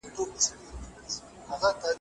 خداي دي ورکه کرونا کړي څه کانې په خلکو کاندي